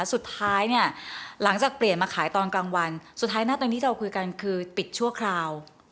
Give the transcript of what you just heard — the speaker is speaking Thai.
สุดท้ายเนี่ยหลังจากเปลี่ยนมาขายตอนกลางวันสุดท้ายนะตอนนี้เราคุยกันคือปิดชั่วคราว